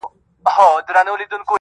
د گناهونو شاهدي به یې ویښتان ورکوي,